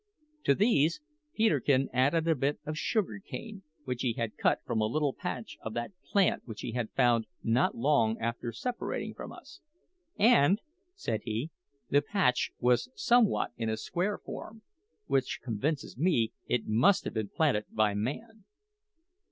To these Peterkin added a bit of sugar cane, which he had cut from a little patch of that plant which he had found not long after separating from us; "and," said he, "the patch was somewhat in a square form, which convinces me it must have been planted by man."